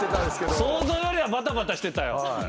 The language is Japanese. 想像よりはばたばたしてたよ。